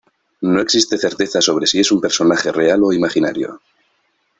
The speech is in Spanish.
No existe certeza sobre si es un personaje real o imaginario.